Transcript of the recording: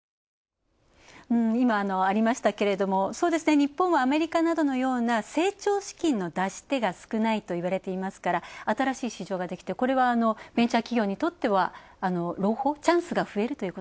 日本はアメリカなどのような成長資金の出し手が少ないといわれていますから新しい市場できて、これはベンチャー企業にとってはチャンスが増えると。